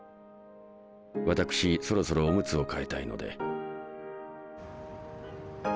私そろそろオムツを替えたいので。